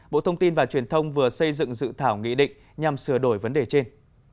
bộ thông tin và truyền thông vừa xây dựng dự thảo nghị định nhằm sửa đổi vấn đề trên